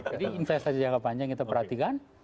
investasi jangka panjang kita perhatikan